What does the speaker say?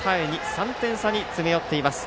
３点差に詰め寄っています。